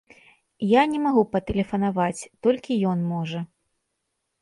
Я не магу патэлефанаваць, толькі ён можа.